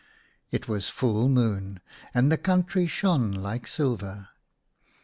It was full moon, and the country shone like silver.